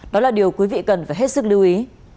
đó là điều quý vị cần phải hết sức lưu ý